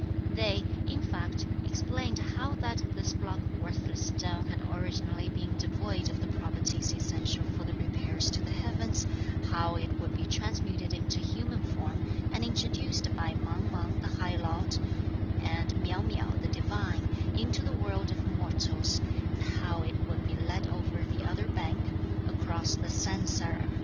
They, in fact, explained how that this block of worthless stone had originally been devoid of the properties essential for the repairs to the heavens, how it would be transmuted into human form and introduced by Mang Mang the High Lord, and Miao Miao, the Divine, into the world of mortals, and how it would be led over the other bank (across the San Sara).